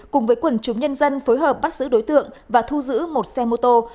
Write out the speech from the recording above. cùng với quần chúng nhân dân phối hợp bắt giữ đối tượng và thu giữ một xe mô tô